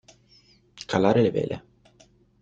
Calare le vele.